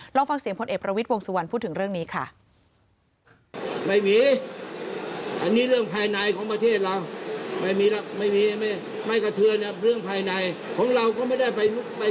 ลองฟังเสียงพลเอกประวิทย์วงสุวรรณพูดถึงเรื่องนี้ค่ะ